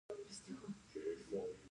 د معدې د مینځلو لپاره باید څه شی وکاروم؟